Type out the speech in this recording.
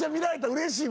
うれしいわ。